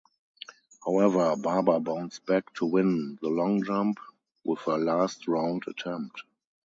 However, Barber bounced back to win the long jump, with her last-round attempt.